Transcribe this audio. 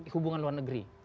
hubungan luar negeri